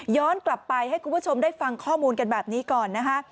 กลับไปให้คุณผู้ชมได้ฟังข้อมูลกันแบบนี้ก่อนนะคะ